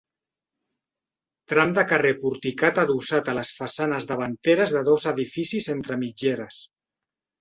Tram de carrer porticat adossat a les façanes davanteres de dos edificis entre mitgeres.